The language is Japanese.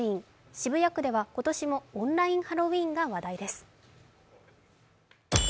渋谷区では今年もオンラインハロウィーンが話題です。